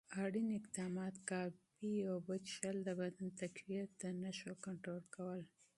اړین اقدامات: کافي اوبه څښل، د بدن تقویت، د نښو کنټرول.